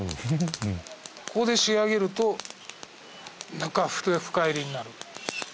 「ここで仕上げると深煎りになる」